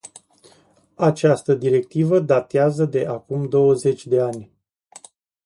Această directivă datează de acum douăzeci de ani.